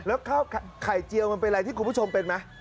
แล้วข้าวไข่เจียวมันเป็นอะไรที่คุณผู้ชมเป็นไหม